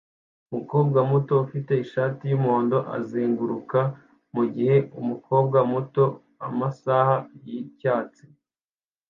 Umukobwa muto ufite ishati yumuhondo azunguruka mugihe umukobwa muto mumasaha yicyatsi